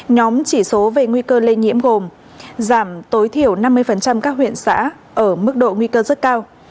nhóm chỉ số về nguy cơ lây nhiễm gồm giảm tối thiểu năm mươi các huyện xã ở mức độ nguy cơ rất cao